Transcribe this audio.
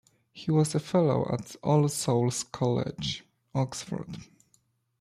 He was a fellow at All Souls College, Oxford.